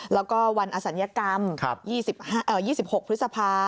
แล้วก็วันอสัญกรรม๒๖พฤษภา๒๕๖๒